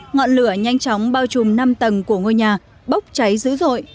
ngọn lửa nhanh chóng bao trùm năm tầng của ngôi nhà bốc cháy dữ dội